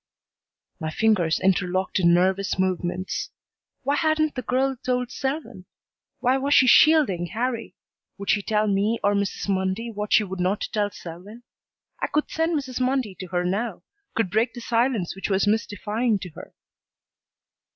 My fingers interlocked in nervous movements. Why hadn't the girl told Selwyn? Why was she shielding Harrie? Would she tell me or Mrs. Mundy what she would not tell Selwyn? I could send Mrs. Mundy to her now could break the silence which was mystifying to her.